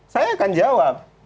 saya akan jawab